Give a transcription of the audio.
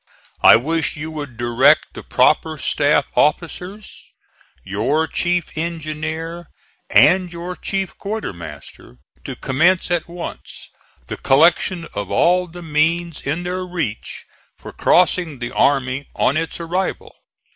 I wish you would direct the proper staff officers, your chief engineer and your chief quartermaster, to commence at once the collection of all the means in their reach for crossing the army on its arrival.